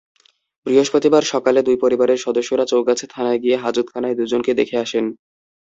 বৃহস্পতিবার সকালে দুই পরিবারের সদস্যরা চৌগাছা থানায় গিয়ে হাজতখানায় দুজনকে দেখে আসেন।